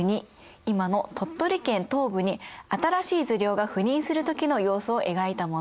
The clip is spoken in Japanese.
今の鳥取県東部に新しい受領が赴任する時の様子を描いたもの。